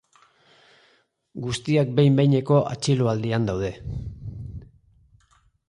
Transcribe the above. Guztiak behin-behineko atxiloaldian daude.